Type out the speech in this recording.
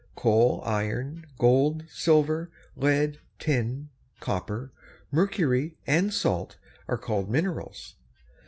Coal, iron, gold, silver, lead, tin, copper, mercury, and salt are called minerals.